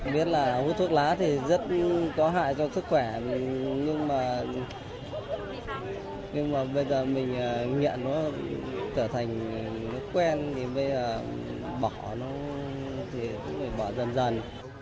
biết là hút thuốc lá thì rất có hại cho sức khỏe nhưng mà bây giờ mình nhận nó trở thành quen thì bây giờ bỏ nó thì cũng phải bỏ dần dần